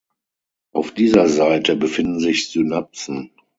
Auf dieser Seite befinden sich Synapsen.